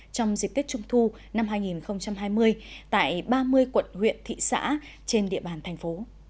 trong dịp tết trung thu năm hai nghìn hai mươi tại ba mươi quận huyện thị xã trên địa bàn thành phố